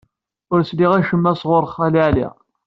Ur sliɣ acemma sɣur Xali Ɛli.